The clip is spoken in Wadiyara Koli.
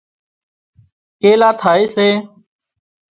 ڪيلا ٿائي سي